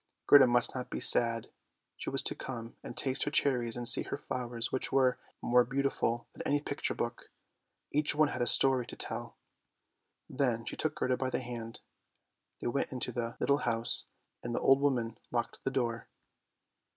Gerda must not be sad, she was to come and taste her cherries and see her flowers, which were more beautiful than any picture book; each one had a story to tell. Then she took Gerda by the hand, they went into the little house, and the old woman locked the door.